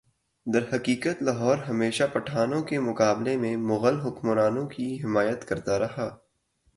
درحقیقت لاہور ہمیشہ پٹھانوں کے مقابلہ میں مغل حکمرانوں کی حمایت کرتا رہا